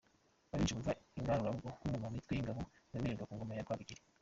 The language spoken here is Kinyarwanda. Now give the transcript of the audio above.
Abenshi bumva Ingangurarugo nk’ umwe mu mitwe y’ingabo waremwe ku ngoma ya Rwabugili.